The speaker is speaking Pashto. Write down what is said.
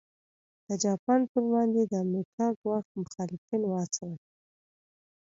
د جاپان پر وړاندې د امریکا ګواښ مخالفین وهڅول.